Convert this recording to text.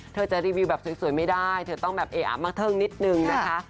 เธอจะรีวิวแบบสวยไม่ได้เธอต้องแบบเออะมากเทิงนิดนึงนะคะ